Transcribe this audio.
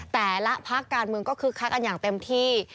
แต่ละพักการเมืองก็คึกคักกันอย่างเต็มที่